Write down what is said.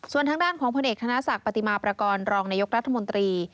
ส่วนทางด้านของพลเอกธนศักดิ์ปฏิมาประกอบรองนายกรัฐมนตรี